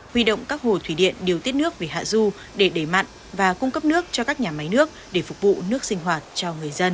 huy động các hồ thủy điện điều tiết nước về hạ du để đẩy mặn và cung cấp nước cho các nhà máy nước để phục vụ nước sinh hoạt cho người dân